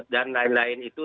dan lain lain itu